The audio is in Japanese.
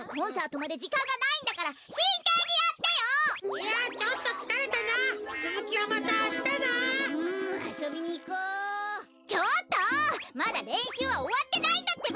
まだれんしゅうはおわってないんだってば！